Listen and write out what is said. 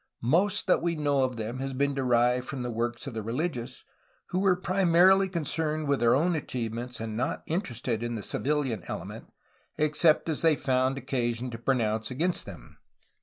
Most that we know of them has been derived from the works of the religious, who were primarily concerned with their own achievements and not interested in the civilian element, except as they found occasion to pronounce against them'*.